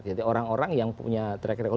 jadi orang orang yang punya track record